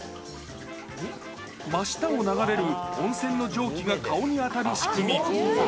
真下を流れる温泉の蒸気が顔に当たる仕組み。